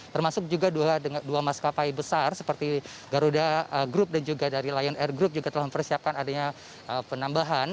termasuk juga dua maskapai besar seperti garuda group dan juga dari lion air group juga telah mempersiapkan adanya penambahan